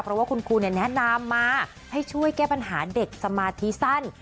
เพราะว่าคุณครูแนะนำมาให้ช่วยแก้ปัญหาเด็กสมาธิสั้น